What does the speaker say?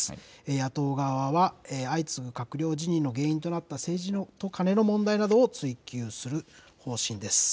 野党側は、相次ぐ閣僚辞任の原因となった政治とカネの問題などを追及する方針です。